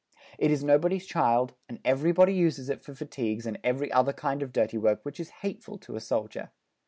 It is nobody's child, and everybody uses it for fatigues and every other kind of dirty work which is hateful to a soldier.